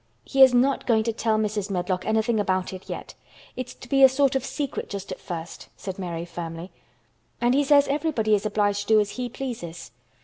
"He is not going to tell Mrs. Medlock anything about it yet. It's to be a sort of secret just at first," said Mary firmly. "And he says everybody is obliged to do as he pleases."